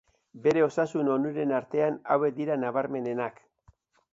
Bere osasun onuren artean hauek dira nabarmenenak.